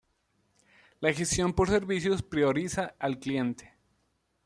La gestión por servicios prioriza al cliente.